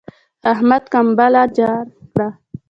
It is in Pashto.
احمد کمبله جار کړه.